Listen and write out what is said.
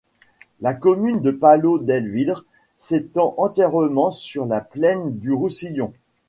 La commune de Palau-del-Vidre s'étend entièrement sur la plaine du Roussillon.